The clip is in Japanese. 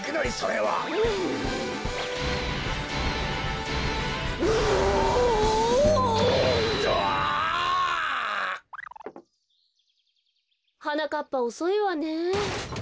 はなかっぱおそいわねえ。